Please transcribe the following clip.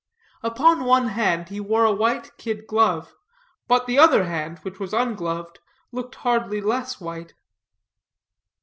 Upon one hand he wore a white kid glove, but the other hand, which was ungloved, looked hardly less white.